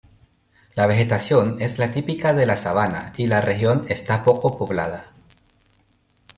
La vegetación es la típica de la sabana y la región está poco poblada.